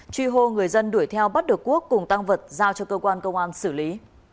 truy hô người dân đuổi theo bắt được quốc cùng tăng vật giao cho cơ quan công an xử lý